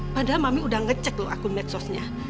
padahal mami udah ngecek tuh akun medsosnya